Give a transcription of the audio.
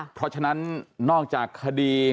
เพราะฉะนั้นนอกจากคดี